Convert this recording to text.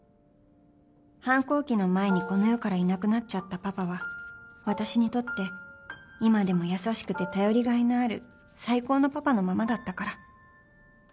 反抗期の前にこの世からいなくなっちゃったパパは私にとって今でも優しくて頼りがいのある最高のパパのままだったから